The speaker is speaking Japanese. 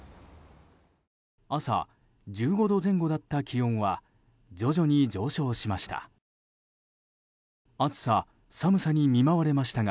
朝、１５度前後だった気温は徐々に上昇しました。